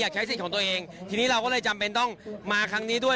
ใช้สิทธิ์ของตัวเองทีนี้เราก็เลยจำเป็นต้องมาครั้งนี้ด้วย